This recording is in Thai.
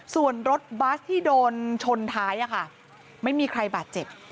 ส่วนรถบัสที่โดนชนท้ายไม่มีใครบาดเจ็บ